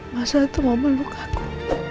masa itu mau melukaku